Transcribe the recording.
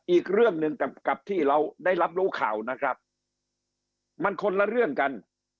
อีกเรื่องหนึ่งกับที่เราได้รับรู้ข่าวนะครับมันคนละเรื่องกัน